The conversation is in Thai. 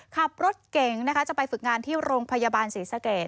ขับรถเก่งนะคะจะไปฝึกงานที่โรงพยาบาลศรีสะเกด